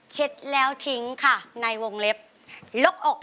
เช็ดแล้วทิ้งค่ะในวงเล็บลกอก